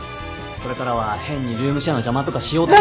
これからは変にルームシェアの邪魔とかしようとせず。